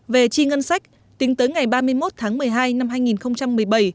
về chi ngân sách tính tới ngày ba mươi một tháng một mươi hai năm hai nghìn một mươi bảy